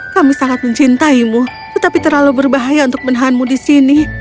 kami sangat mencintaimu tetapi terlalu berbahaya untuk menahanmu di sini